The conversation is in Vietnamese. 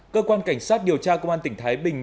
cơ quan cảnh sát điều tra công an tỉnh thái bình